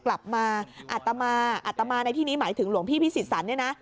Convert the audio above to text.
กลับมาอัตมาอัตมาในที่นี้หมายถึงหลวงพี่พิสิทธสันเนี่ยนะ